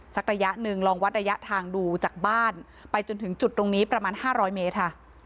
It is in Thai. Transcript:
ระยะหนึ่งลองวัดระยะทางดูจากบ้านไปจนถึงจุดตรงนี้ประมาณ๕๐๐เมตรค่ะ